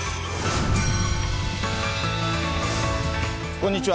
こんにちは。